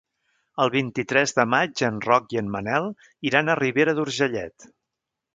El vint-i-tres de maig en Roc i en Manel iran a Ribera d'Urgellet.